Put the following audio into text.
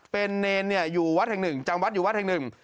เป็นเนรอยู่วัดแห่งหนึ่งจำวัดอยู่วัดแห่งหนึ่ง